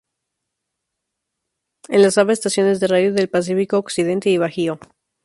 Enlazaba estaciones de radio del Pacífico, occidente y Bajío.